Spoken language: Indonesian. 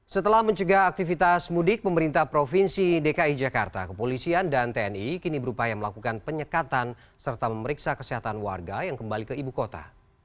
setelah mencegah aktivitas mudik pemerintah provinsi dki jakarta kepolisian dan tni kini berupaya melakukan penyekatan serta memeriksa kesehatan warga yang kembali ke ibu kota